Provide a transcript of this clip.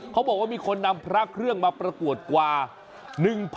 เขาบอกว่ามีคนนำพระเครื่องมาประกวดกว่า